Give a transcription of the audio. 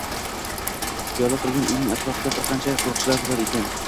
Piyola turgan uyning atrofida bir qancha qo‘riqchilar turar ekan